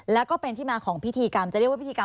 แล้วก็เป็นที่มาของพิธีกรรม